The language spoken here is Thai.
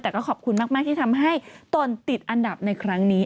แต่ก็ขอบคุณมากที่ทำให้ตนติดอันดับในครั้งนี้